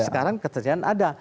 sekarang ketersediaan ada